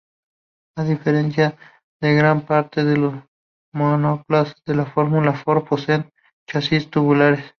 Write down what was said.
A diferencia de gran parte de los monoplazas, los Fórmula Ford poseen chasis tubulares.